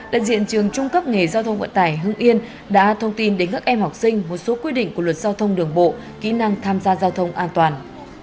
đại diện trường trung cấp nghề giao thông vận tải hưng yên đã thông tin đến các em học sinh một số quy định của luật giao thông đường bộ kỹ năng tham gia giao thông an toàn